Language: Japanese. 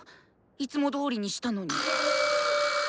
いつもどおりにしたのに。